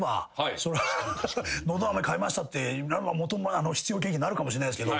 そりゃ喉あめ買いましたって必要経費になるかもしれないですけど。